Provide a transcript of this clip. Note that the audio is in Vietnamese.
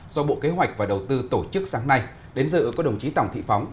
do bộ kế hoạch và đầu tư tổ chức sáng nay đến dự có đồng chí tổng thị phóng